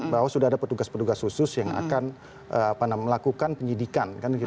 bahwa sudah ada petugas petugas khusus yang akan melakukan penyidikan